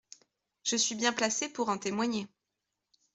Je suis bien placée pour en témoigner.